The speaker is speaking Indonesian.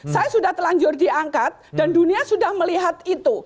saya sudah telanjur diangkat dan dunia sudah melihat itu